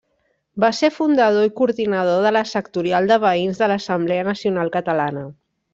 Va ser fundador i coordinador de la sectorial de Veïns de l'Assemblea Nacional Catalana.